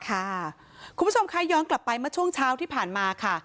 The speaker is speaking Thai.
คุณผู้ชมคะย้อนกลับไปเมื่อช่วงเช้าที่ผ่านมาค่ะ